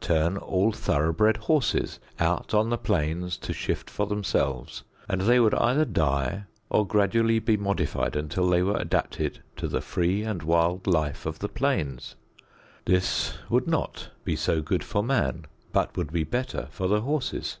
Turn all thoroughbred horses out on the plains to shift for themselves, and they would either die or gradually be modified until they were adapted to the free and wild life of the plains. This would not be so good for man, but would be better for the horses.